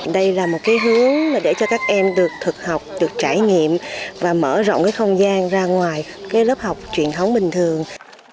đây là một cái hướng để cho các em được thực học được trải nghiệm và mở rộng cái không gian ra ngoài cái lớp học truyền thống bình thường